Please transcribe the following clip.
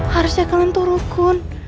harusnya kalian turukun